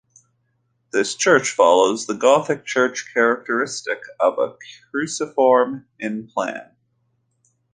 This church follows the Gothic church characteristic of a cruciform in plan.